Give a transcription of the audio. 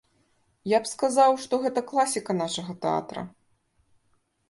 Я б сказаў, што гэта класіка нашага тэатра.